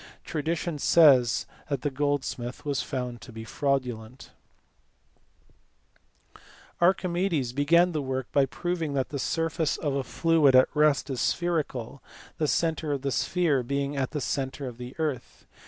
Tradition says that the gold smith was found to be fraudulent ^/ Archimedes began the work by proving that the surface of a fluid at rest is spherical, the centre of the sphere being at the centre of the earth.